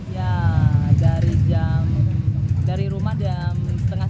ya dari jam dari rumah jam setengah